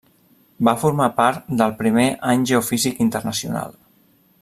Va formar part del primer Any Geofísic Internacional.